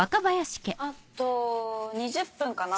あと２０分かな。